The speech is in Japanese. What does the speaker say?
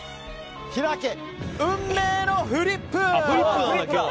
開け運命のフリップ！